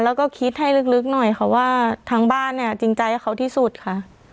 แล้วก็คิดให้ลึกหน่อยค่ะว่าทางบ้านเนี่ยจริงใจเขาที่สุดค่ะ